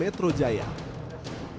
menemukan pelaku yang berada di depan mobil